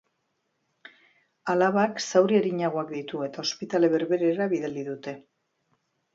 Alabak zauri arinagoak ditu, eta ospitale berberera bidali dute.